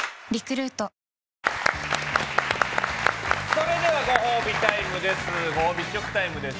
それではご褒美飯試食タイムです。